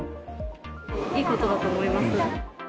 いいことだと思います。